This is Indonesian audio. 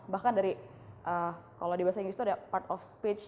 bahkan dari kalau di bahasa inggris itu ada part of speech